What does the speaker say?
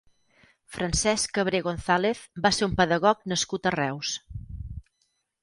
Francesc Cabré González va ser un pedagog nascut a Reus.